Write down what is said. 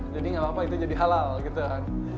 jadi nggak apa apa itu jadi halal gitu kan